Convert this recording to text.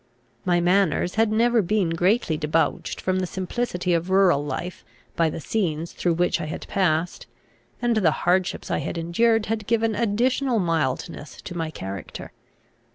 My manners had never been greatly debauched from the simplicity of rural life by the scenes through which I had passed; and the hardships I had endured had given additional mildness to my character.